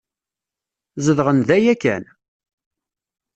Zedɣen da yakan?